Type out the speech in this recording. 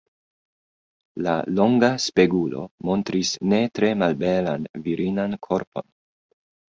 La longa spegulo montris ne tre malbelan virinan korpon.